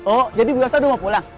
oh jadi mbak elsa udah mau pulang